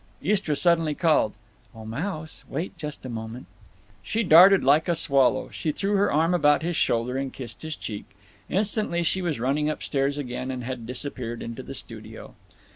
Istra suddenly called, "O Mouse, wait just a moment." She darted like a swallow. She threw her arm about his shoulder and kissed his cheek. Instantly she was running up stairs again, and had disappeared into the studio.